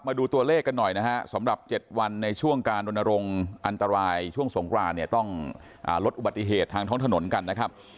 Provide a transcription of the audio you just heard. มาดูตัวเลขกันหน่อยนะฮะสำหรับ๗วันในช่วงการรณรงค์อันตรายช่วงสงครานเนี่ยต้องลดอุบัติเหตุทางท้องถนนกันนะครับ